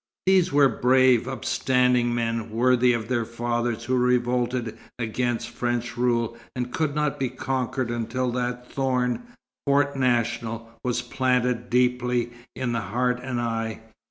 These were brave, upstanding men, worthy of their fathers who revolted against French rule and could not be conquered until that thorn, Fort National, was planted deeply in heart and eye.